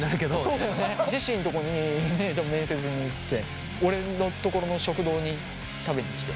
そうだよねジェシーのところに面接に行って俺のところの食堂に食べにきて。